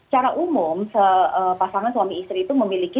secara umum pasangan suami istri itu memiliki